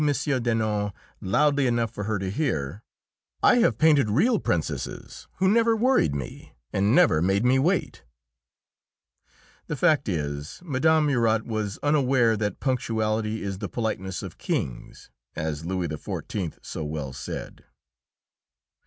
Denon, loudly enough for her to hear, "I have painted real princesses who never worried me, and never made me wait." The fact is, Mme. Murat was unaware that punctuality is the politeness of kings, as Louis XIV. so well said.